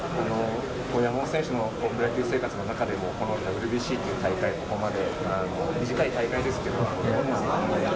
山本選手のプロ野球生活の中でも、このＷＢＣっていう大会、ここまで短い大会ですけど、どんな。